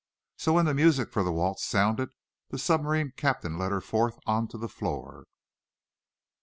So, when the music for the waltz sounded the submarine captain led her forth on to the floor.